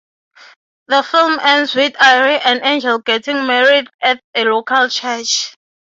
The film ends with Ayre and Angel getting married at a local church.